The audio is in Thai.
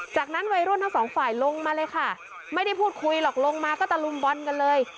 จากนั้นวัยรุ่นทั้งสองฝ่ายลงมาเลยค่ะไม่ได้พูดคุยหรอกลงมาก็ตะลุมบอลกันเลย